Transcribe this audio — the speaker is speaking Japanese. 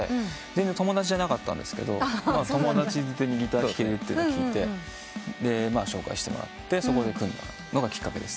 全然友達じゃなかったんですけど友達づてにギター弾けるって聞いて紹介してもらってそこで組んだのがきっかけです。